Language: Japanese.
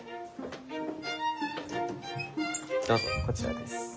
どうぞこちらです。